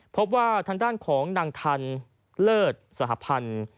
พบว่าทางด้านของนางทันเลิศสหพันธ์